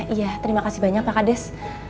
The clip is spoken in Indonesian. iya terima kasih banyak pak kades